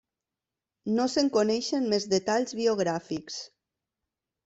No se'n coneixen més detalls biogràfics.